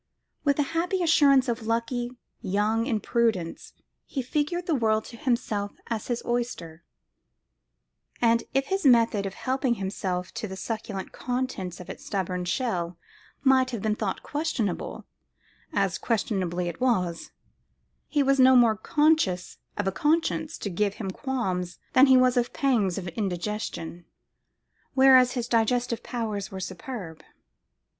With the happy assurance of lucky young impudence he figured the world to himself as his oyster; and if his method of helping himself to the succulent contents of its stubborn shell might have been thought questionable (as unquestionably it was) he was no more conscious of a conscience to give him qualms than he was of pangs of indigestion. Whereas his digestive powers were superb....